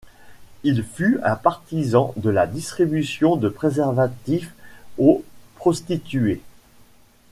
Il fut un partisan de la distribution de préservatifs aux prostituées.